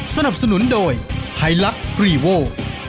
สนับสนุนโดยไฮลักษ์รีโว